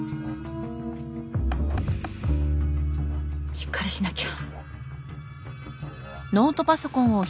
しっかりしなきゃ。